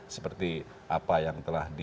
seperti apa yang telah di